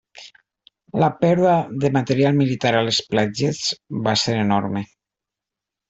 La pèrdua de material militar a les platges va ser enorme.